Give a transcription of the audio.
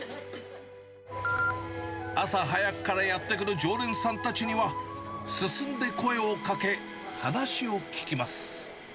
朝早くからやって来る常連さんたちには、進んで声をかけ、話を聞きます。